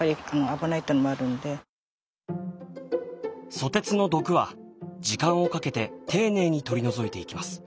ソテツの毒は時間をかけて丁寧に取り除いていきます。